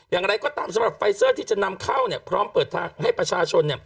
อย่างไรก็ตามสำหรับไฟเซอร์ที่จะนำเข้าพร้อมเปิดทางให้ประชาชน